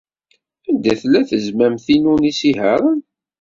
Anda tella tezmamt-inu n yisihaṛen?